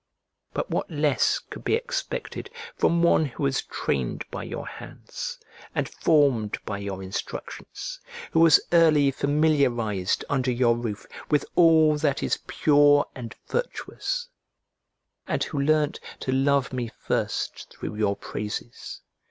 But what less could be expected from one who was trained by your hands, and formed by your instructions; who was early familiarized under your roof with all that is pure and virtuous, and who learnt to love me first through your praises?